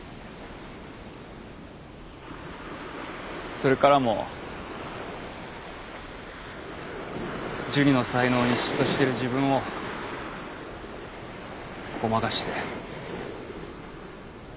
それからもジュニの才能に嫉妬してる自分をごまかして。